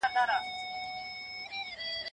هر وخت هر ډول منفي برخورد او سلوک ممکن دی.